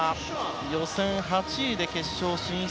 予選８位で決勝進出。